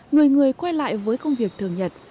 người người quay lại với công việc thường nhật